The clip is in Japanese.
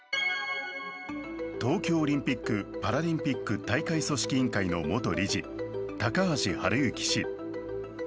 東京オリンピック・パラリンピック大会組織委員会の元理事、高橋治之氏。